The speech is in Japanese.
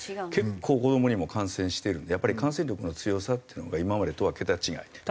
結構子どもにも感染してるのでやっぱり感染力の強さというのが今までとは桁違い。